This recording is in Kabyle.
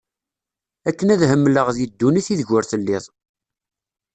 Akken ad hemleɣ di ddunit ideg ur telliḍ